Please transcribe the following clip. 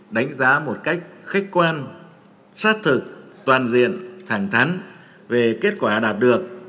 đánh giá một cách khách quan sát thực toàn diện thẳng thắn về kết quả đạt được